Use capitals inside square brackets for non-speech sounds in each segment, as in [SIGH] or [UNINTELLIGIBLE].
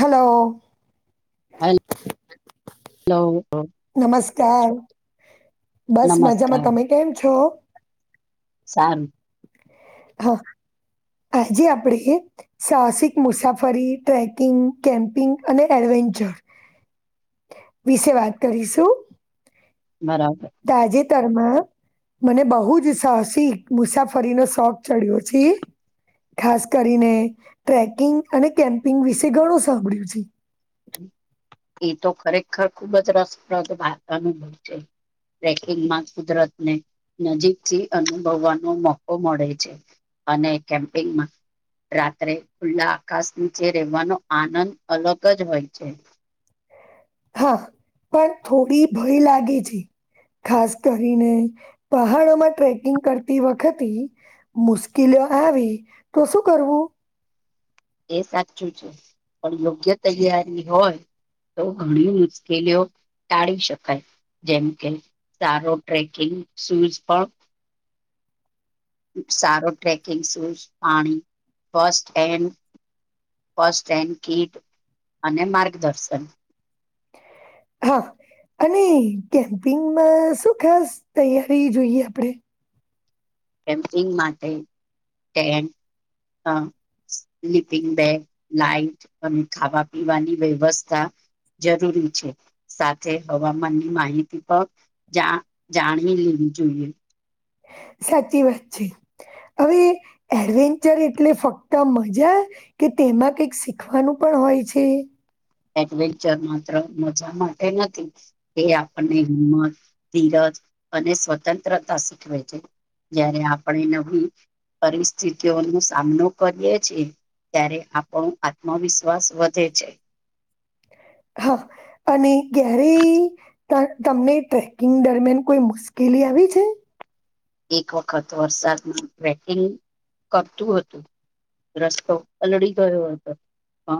Hello હે hello ચાર બસ મજામાં નમસ્કાર તમે કેમ છો સારુ હા આજે આપડે સાહસિક મુસાફરી ટ્રેકિંગ કેમ્પિંગ અને એડવેન્ચર [UNINTELLIGIBLE] વિશે વાત કરીશું બરાબર મને બહુ જ સાહસી મુસાફરીનો શોખ ચડ્યો છે ખાસ કરીને ટ્રેકિંગ અને કેમ્પિંગ વિશે ઘણું સાંભળ્યું છે એ તો ખરેખર ખુબ જ રસપ્રદ વારતાનું બવ છે ટ્રેકિંગમાં કુદરત ને નજીકથી અનુભવવાનો મોકો મળે છે અને કેમ્પિંગમાં રાત્રે ખુલ્લા આકાશ નીચે રહેવાનો આનંદ અલગ જ હોય છે હા પણ થોડી ભય લાગે છે ખાસ કરીને પહાડોમાં ટ્રેકિંગ કરતી વખતે મુશ્કેલી આવી તો શું કરવું એ સાચું છે પણ યોગ્ય તૈયારી હોય તો ઘણી મુશ્કેલીઓ ટાળી શકાય જેમ કે સારો ટ્રેકિંગ શૂઝ પણ સારો ટ્રેકિંગ સૂઝ પાણી ફસ્ટ હેન્ડ ફસ્ટેન્ડ કીટ અને માર્ગદર્શન હા અને કેમ્પિંગમાં શું ખાસ તૈયારી જોઈએ આપણે કેમ્પિંગ માટે સ્લીપિંગ બેડ લાાઈટ અને ખાવા પીવાની વ્યવસ્થા જરૂરી છે સાથે હવામાનની માહિતી પણ જાણવી જોઈએ સાચી વાત છે હવે એડવેન્ચર એટલે ફક્ત મજા કે તેમાં કઈક શીખવાનું પણ હોઈ છે એડવેન્ચર માત્ર મજા માટે નથી એ આપણને હિમત ધીરજ અને સ્વતંત્રતા શીખવે છે જયારે આપણે નવી પરિસ્થિતિઓ ન સામનો કરીએ છીએ ત્યારે આપણો આત્મવિશ્વાસ વધે છે હા અને ઘરે તમને ટ્રેકિંગ દરમિયાન કોઈ મુશ્કેલી કેવી છે એક વખત વરસાદમાં વેટિંગ કરતું હોય રસ્તો પલળી ગયો હતો હ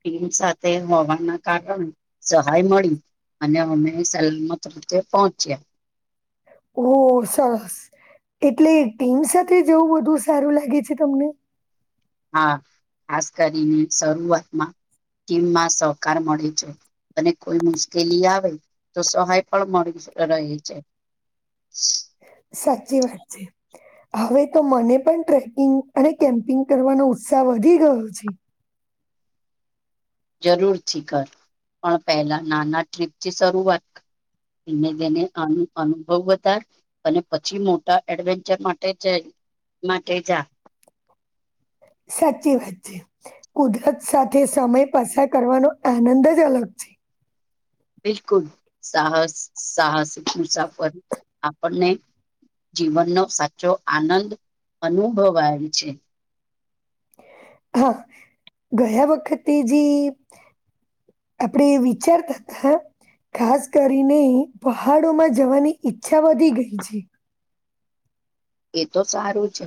ટીમ સાથે હોવાના કારણે સહાય મળી અને અમે સલામત રીતેે પહોંચ્યા ઓહ સરસ એટલે ટીમ સાથે જવું બધુ સારું લાગે છે તમને હા ખાસ કરીને શરૂઆતમાં કિમમાં સહકાર મળે છે અને કોઈ મુશ્કેલી આવે તો સહાય પણ મળી રહે છે [INAUDIBLE] સાચી વાત છે હવે તો મને પણ ટ્રેકિંગ અને કેમ્પિંગ કરવાનો ઉત્સાહ વધી ગયો છે જરૂરથી કર પણ પહેલા નાના ટ્રીપથી શરૂઆત કર તો તેને આનો અનુભવ વધાર અને પછી મોટા એડવેન્ચર માટે જાય માટે જા. સાચી વાત છે. કુદરત સાથે સમય પસાર કરવાનો આનંદ જ અલગ છે. બિલકુલ, સાહસ સાહસિક મુસાફર આપણને. જીવનનો સાચો આનંદ અનુભવાય છે. હા, ગયા વખતે જે આપડે વિચારતા હતા. ખાસ કરીને પહાડોમાં જવાની ઈચ્છા વધી ગઈ છે. એ તો સારું છે.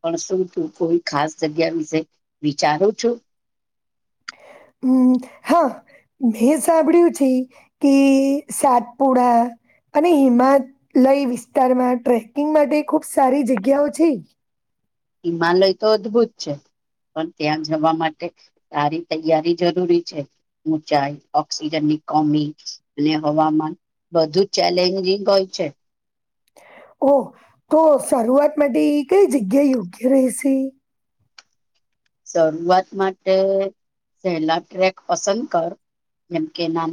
પણ શું તું કોઈ ખાસ જગ્યા વિશે વિચારું છું? હમ, હા. મેં સાંભળ્યું છે કે સાતપુડા અને હિમાલય વિસ્તારમાં ટ્રેકિંગ માટે ખુબ સારી જગ્યાઓ છે. હિમાલય તો અદ્ભુત છે. પણ ત્યાં જવા માટે તારી તૈયારી જરૂરી છે. ઊંચાઈ, ઓક્સિજનની કોમી અને હવામાન બધું ચેલેન્જિંગ હોય છે. ઓ તો શરૂઆત માટે કંઈ જગ્યા યોગ્ય રહેશે? શરૂઆત માટે સેલા ટ્રેક પસંદ કર જેમકે ના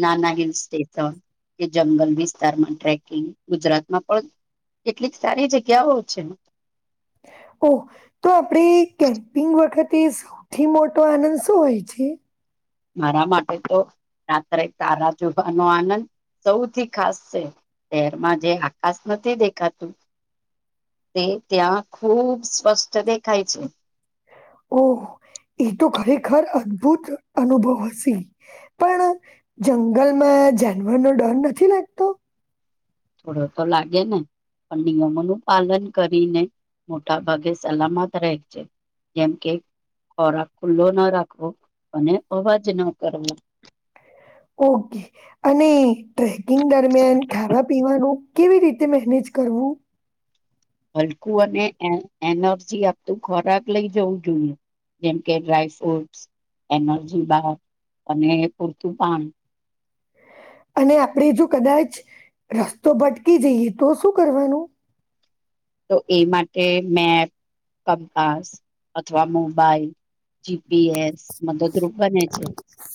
નાના હિલ સ્ટેશન કે જંગલ વિસ્તારમાં ટ્રેકિંગ ગુજરાતમાં પણ એટલીક સારી જગ્યા હોય છે. ઓ તો આપડે કેમ્પિંગ વખ તે સૌથી મોટો આનંદ શું હોય છે? મારા માટે તો રાત્રે તારા જોવાનો આનંદ સૌથી ખાસ છે શહેરમાં જે આકાશ નથી દેખાતું તે ત્યાં ખૂબ સ્પષ્ટ દેખાય છે. ઓ. એ તો ખરેખર અદભુત અનુભવ હશે, પણ જંગલમાં જાનવરનો ડર નથી લાગતો? થોડો તો લાગે ને. પણ નિયમોનું પાલન કરીને મોટા ભાગે સલામત રહે છે. જેમ કે ખોરાક ખુલ્લો ન રાખવો અને અવાજ ન કરવો. ઓકે, અને ટ્રેકિંગ દરમિયાન ખાવા-પીવાનું કેવી રીતે મેનેજ કરવું? હલકું અને એનર્જી આપતું ખોરાક લઈ જવું જોઈએ. જેમ કે ડ્રાય ફ્રૂટસ એનર્જી બાર અને પૂરતું પાણી. અને આપણેે જો કદાચ રસ્તો ભટકી જઈએ તો શું કરવાનું? [UNINTELLIGIBLE] તો એ માટે મેપ, કંપાસ અથવા મોબાઈલ જી પી એસ મદદરૂપ બને છે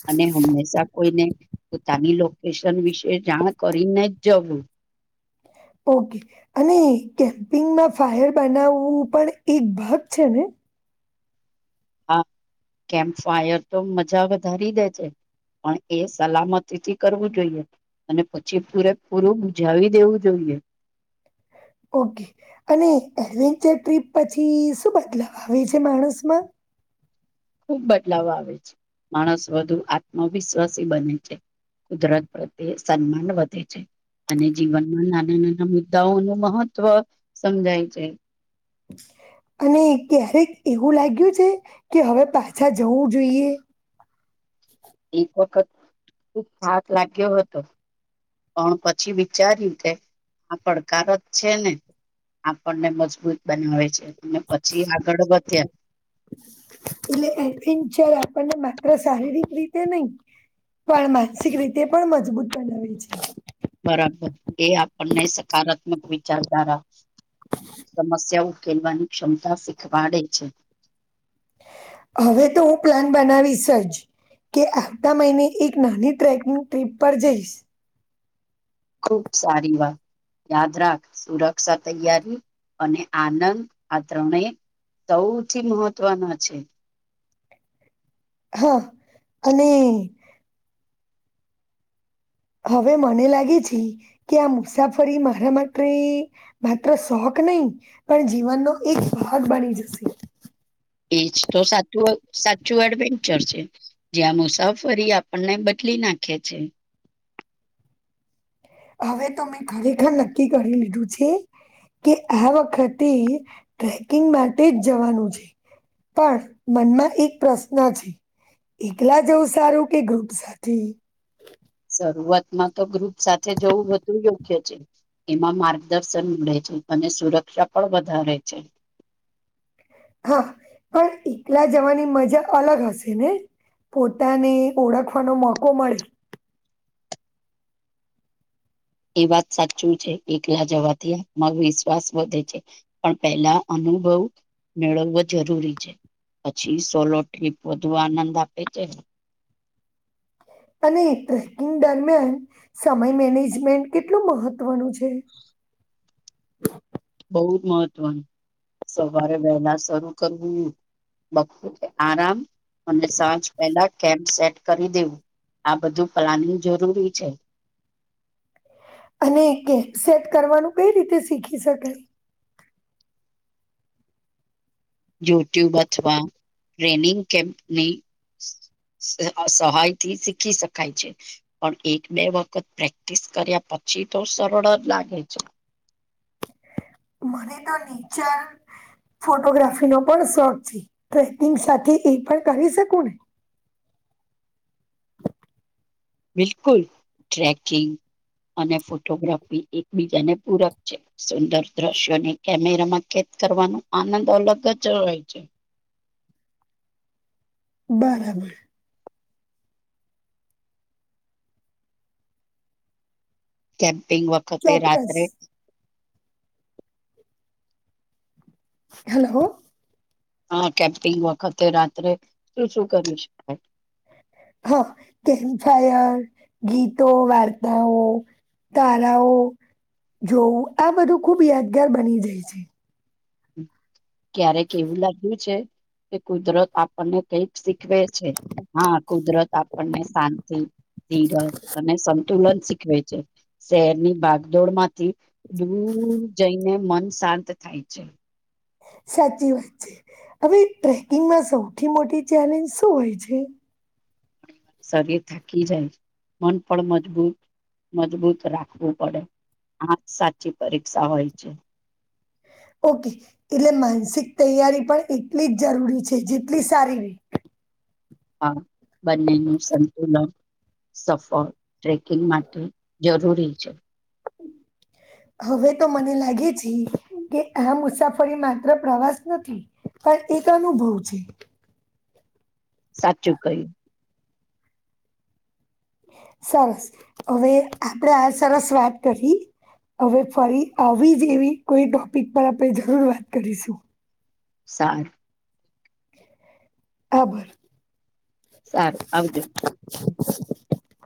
અને હંમેશા કોઈને પોતાની લોકેશન વિશે જાણ કરીને જ જવું ઓકે અને કેમ્પિંગમાં ફાયર બનાવવું પણ એક ભાગ છે ને? હા કેમ ફાયર તો મજા વધારી દે છે પણ એ સલામતીથી કરવું જોઈએ અને પછી પૂરેપૂરું બુજાવી દેવું જોઈએ [INAUDIBLE] ઓકે અને એડવેન્ચર ટ્રીપ પછી શું બદલાવ આવે છે માણસમાં? ખૂબ બદલાવ આવે છે માણસ વધુ આત્મવિશ્વાસી બની જાય કુદરત પ્રત્યે સન્માન વધે છે અને જીવનમાં નાના-નાના મુદ્દાઓ ન મહત્વ સમજાય છે અને ક્યારેક એવું લાગ્યું છે, કે હવે પાછા જવું જોઈએ? એક વખત ખૂબ થાક લાગ્યો હતો. પણ પછી વિચાર્યું કે આ પડકાર જ છે ને આપણને મજબૂત બનાવે છે. પછી આગળ વધ્યા [UNINTELLIGIBLE] એલે એચ પણ માત્ર શારીરિક રીતે નહી પણ માનસિક રીતે પણ મજબૂત બનાવે છે. બરાબર એ આપણને સકારાત્મક વિચારધારા સમસ્યા ઉકેલવાની ક્ષમતા શીખવાડે છે. હવે તો હું પ્લાન બનાવીશ જ. કે આવતા મહિને એક નાની ટ્રેકિંગ ટ્રીપ પર જઈશ. ખુબ સારી વાત યાદ રાખ સુરક્ષા, તૈયારી અને આનંદ આ ત્રણે સૌથી મહત્વના છે. હા અને હવે મને લાગે છે, કે આ મુસાફરી મારા માટે માત્ર શોખ નહી પણ જીવનનો એક ભાગ બની જશે. એજ તો સાચું સાચું એડવેન્ચર છે. જ્યાં મુસાફરી આપણને બદલી નાખે છે. હવે તો મેં ખરેખર નક્કી કરી લીધું છે. કે આ વખતે ટ્રેકિંગ માટે જ જવાનું છે. પણ મનમાં એક પ્રશ્ન છે. એકલા જવું સારું કે ગ્રુપ સાથે? શરૂઆતમાં તો ગ્રુપ સાથે જવું વધુ યોગ્ય છે. એમાં માર્ગદર્શન મળે છે અને સુરક્ષા પણ વધારે છે. હા. પણ એકલા જવાની મજા અલગ હશે ને? પોતાને ઓળખવાનો મોકો મળે. એ વાત સાચું છે. એકલા જવાથી આત્મવિશ્વાસ વધે છે, પણ પહેલા અને અનુભવ મેળવવો જરૂરી છે. પછી સોલો ટ્રીપ વધુ આનંદ આપે છે. અને ટ્રેકિંગ દરમિયાન સમય મેનેજમેન્ટ કેટલું મહત્વનું છે. [INAUDIBLE] બઉ જ મહત્વનું સવારે વહેલા શરૂ કરવું આરામ અને સાંજ પહેલા કેમ્પ સેટ કરી દેવું. આ બધું પ્લાનિંગ જરૂરી છે. અને કે સેટ કરવાનું કઈ રીતે શીખી શકાય. યુટ્યુબ અથવા ટ્રેનિંગ કેમ્પની સ અ સહાય થી શીખી શકાય છે, પણ એક બે વખત પ્રેક્ટિસ કર્યા પછ પછી તો સરળ જ લાગે છે. મને તો નેચર ફોટોગ્રાફીનો પણ શોખ છે. ટ્રેકિંગ સાથે એ પણ કરી શકું ને બિલકુલ ટ્રેકિંગ અને ફોટોગ્રાફી એકબીજાને પૂરક છે. સુંદર દ્રશ્યોને કેમેરામાં કે કરવાનો આનંદ અલગ જ હોય છે. બરાબર. કેમ્પિંગ વખતે ચોક્કસ રાત્રે હલો. હા કેપિંગ વખતે રાત્રે શું શું કરી શકાય? હ કેમ ફાયર, ગીતો, વાર્તાઓ, તારાઓ જોવું આ બધું ખુબ યાદગાર બની જાય છે. ક્યારેક એવું લાગ્યું છે કે કુદરત આપણને કઈક શીખ ખવે છે હા કુદરત આપણને શાંતિ ધીરજ અને સંતુલન શીખવે છે શહેરની ભાગદોડ માંથી દૂર જઈને મન શાંત થાય છે સાચી વાત છે હવે ટ્રેકિંગમાં સૌથી મોટી ચેલેન્જ શું હોય છે? શરીર થાકી જાય મન પણ મજબૂ મજબૂત રાખવું પડે આ સાચી પરીક્ષા હોય છે [INAUDIBLE] ઓકે એટલે માનસિક તૈયારી પણ એટલી જ જરૂરી છે જેટલી સારી હોય હા બંનેનું સંતુલન સફળ ટ્રેકિંગ માટે જરૂરી છે હવે તો મને લાગે છે કે આ મુસાફરી માત્ર પ્રવાસ નથી પણ એક અનુભવ છે સાચું કહ્યું સરસ, હવે આપડે આ સરસ વાત કહી હવે ફરી આવી જેવી કોઈ ટોપિક પર આપડે જરૂર વાત કરીશું સારું અબ સારું આવજો [INAUDIBLE]